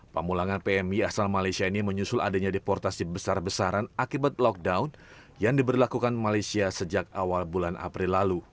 pemulangan pmi asal malaysia ini menyusul adanya deportasi besar besaran akibat lockdown yang diberlakukan malaysia sejak awal bulan april lalu